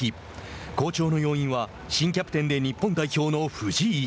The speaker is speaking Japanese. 好調の要因は新キャプテンで日本代表の藤井。